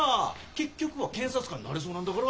結局は検察官になれそうなんだから。